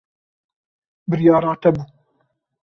Biryara te bû.